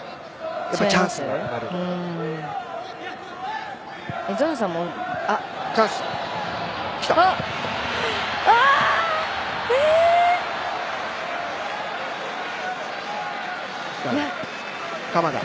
チャンスだ！